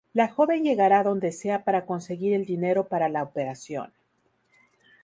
La joven llegará donde sea para conseguir el dinero para la operación.